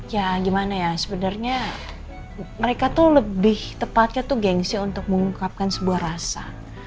ya gimana ya sebenarnya mereka tuh lebih tepatnya tuh gengsi untuk mengungkapkan sebuah rasa